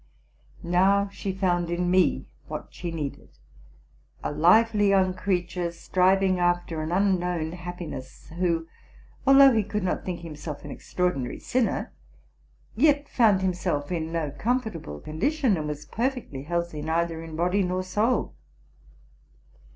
| Now she found in me what she needed, a lively young creature, striving after an unknown happiness, who, although he could not think himself an extraordinary sinner, yet found himself in no comfortable condition, and was perfec tly healthy neither in body nor soul.